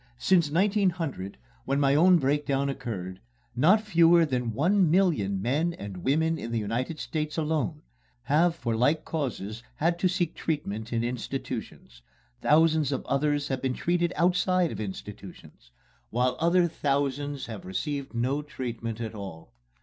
Since 1900, when my own breakdown occurred, not fewer than one million men and women in the United States alone have for like causes had to seek treatment in institutions, thousands of others have been treated outside of institutions, while other thousands have received no treatment at all.